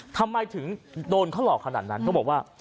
ทำไมถึงโดนเขาหลอกขนาดนั้นเขาบอกว่า